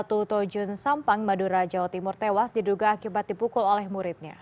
satu tojun sampang madura jawa timur tewas diduga akibat dipukul oleh muridnya